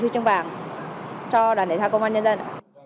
huy chương vàng cho đoàn thể thao công an nhân dân